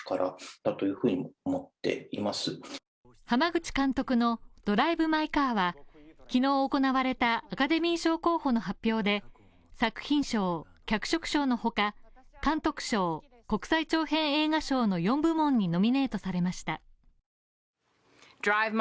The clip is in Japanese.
濱口監督の「ドライブ・マイ・カー」は昨日、行われたアカデミー賞候補の発表で、作品賞、脚色賞の他、監督賞、国際長編映画賞の４部門にノミネートされました。